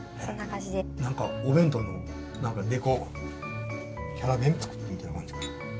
何かお弁当のデコキャラ弁作ってるみたいな感じ。